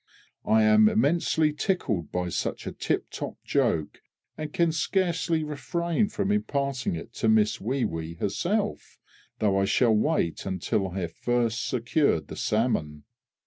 I am immensely tickled by such a tip top joke, and can scarcely refrain from imparting it to Miss WEE WEE herself, though I shall wait until I have first secured the salmon.